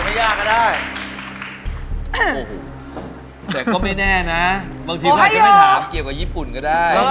แต่ก็ไม่แน่นะบางทีหากจะไม่ถามเกี่ยวกับญี่ปุ่นก็ได้